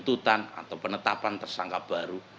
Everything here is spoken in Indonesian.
tuntutan atau penetapan tersangka baru